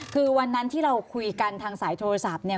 คือวันนั้นที่เราคุยกันทางสายโทรศัพท์เนี่ย